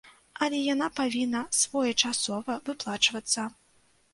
Але яна павінна своечасова выплачвацца.